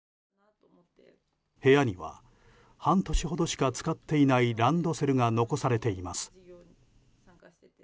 部屋には半年ほどしか使っていないランドセルが残されています。